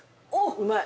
うまい。